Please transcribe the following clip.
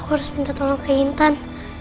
aku harus minta tolong ke intan